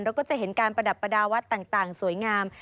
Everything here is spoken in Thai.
ก็จะเห็นการประดับประดาวัดต่างสวยงาม